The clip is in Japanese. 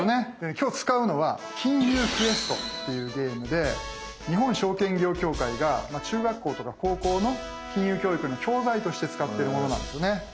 今日使うのは「金融クエスト」っていうゲームで日本証券業協会が中学校とか高校の金融教育の教材として使ってるものなんですよね。